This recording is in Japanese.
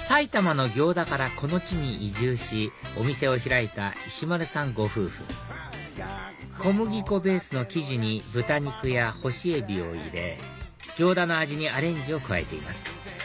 埼玉の行田からこの地に移住しお店を開いた石丸さんご夫婦小麦粉ベースの生地に豚肉や干しエビを入れ行田の味にアレンジを加えています